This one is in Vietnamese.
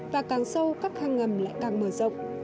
và càng sâu các hang ngầm lại càng mở rộng